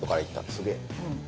すげえ。